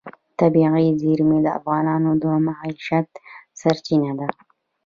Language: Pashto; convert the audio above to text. طبیعي زیرمې د افغانانو د معیشت سرچینه ده.